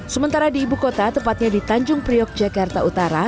sementara di ibu kota tepatnya di tanjung priok jakarta utara